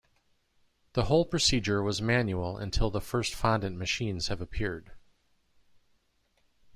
The whole procedure was manual until the first fondant-machines have appeared.